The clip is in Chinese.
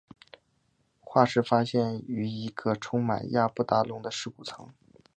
化石发现于一个充满亚伯达龙的尸骨层。